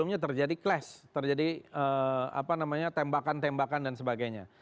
ya jadi begini